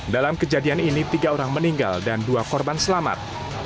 dalam kejadian ini tiga orang meninggal dan dua korban selamat